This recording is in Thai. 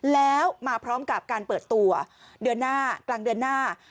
แล้วมาพร้อมกับการเปิดตัวเดือนหน้ากลางเดือนหน้า